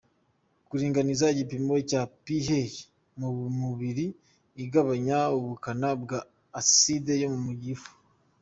kuringaniza igipimo cya pH mu mubiri, igabanya ubukana bwa acide yo mu gifu